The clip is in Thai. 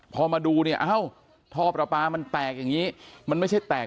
พอมาดูเนี่ยโอ้โหทอปลาปลามันแปลกอย่างนี้มันไม่ใช่แปลก